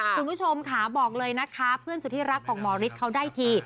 คุณผู้ชมค่ะบอกเลยนะคะเพื่อนสุดที่รักของหมอฤทธิ์เขาได้ที